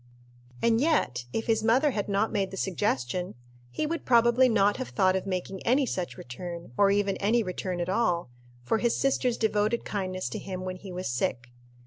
And yet, if his mother had not made the suggestion, he would probably not have thought of making any such return, or even any return at all, for his sister's devoted kindness to him when he was sick.